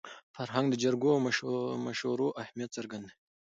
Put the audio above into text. فرهنګ د جرګو او مشورو اهمیت څرګندوي.